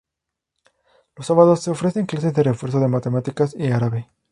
Los sábados se ofrecen clases de refuerzo de matemáticas y árabe.